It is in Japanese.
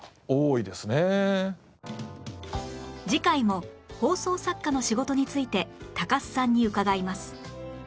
次回も放送作家の仕事について高須さんに伺います